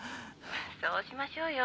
そうしましょうよ。